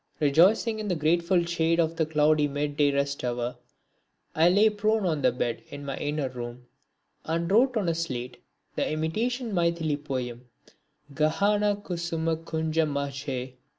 Rejoicing in the grateful shade of the cloudy midday rest hour, I lay prone on the bed in my inner room and wrote on a slate the imitation Maithili poem Gahana kusuma kunja majhe.